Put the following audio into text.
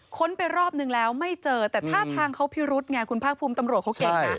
้นไปรอบนึงแล้วไม่เจอแต่ท่าทางเขาพิรุษไงคุณภาคภูมิตำรวจเขาเก่งนะ